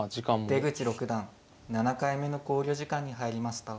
出口六段７回目の考慮時間に入りました。